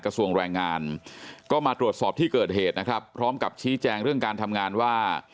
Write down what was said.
กระทรวงแรงงานก็มาตรวจสอบที่เกิดเหตุนะครับพร้อมกับชี้แจงเรื่องการทำงานว่า